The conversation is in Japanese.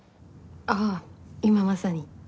ああ今まさに。